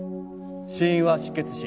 死因は失血死。